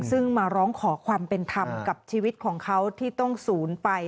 ซึ่งมาร้องขอความเป็นธรรมกับชีวิตของเขาที่ต้องศูนย์ไป